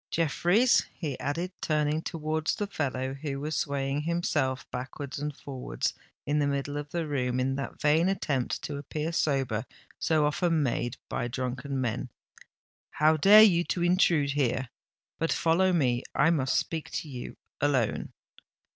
Jeffreys," he added, turning towards the fellow who was swaying himself backwards and forwards, in the middle of the room, in that vain attempt to appear sober so often made by drunken men, "how dare you to intrude here? But follow me—I must speak to you alone."